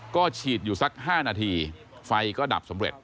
ก็ฉีดอยู่สัก๕นาทีไฟก็ดับสำเร็จ